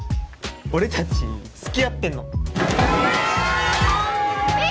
俺達付き合ってんのえ！？